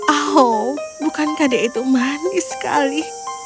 oh bukankah dia itu manis sekali